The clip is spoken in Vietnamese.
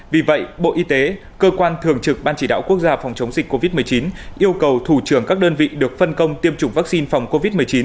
vì vậy bộ y tế cơ quan thường trực ban chỉ đạo quốc gia phòng chống dịch covid một mươi chín yêu cầu thủ trưởng các đơn vị được phân công tiêm chủng vaccine phòng covid một mươi chín